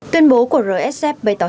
tuyên bố của rsf bày tỏa